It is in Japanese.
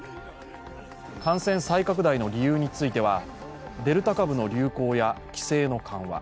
感染再拡大の理由については、デルタ株の流行や規制の緩和